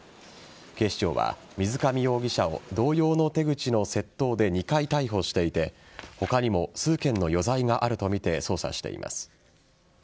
警視庁は水上容疑者を同様の手口の窃盗で２回逮捕していて他にも数件の余罪があるとみて捜査しています。